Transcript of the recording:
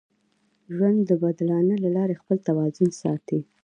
ژوند د بدلانه له لارې خپل توازن ساتي.